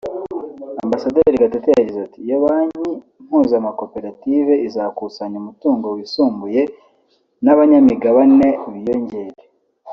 Ambasaderi Gatete yagize ati ”Iyo Banki mpuzamakorative izakusanya umutungo wisumbuye n’abanyamigabane biyongere